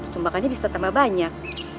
sumbangannya bisa tambah banyak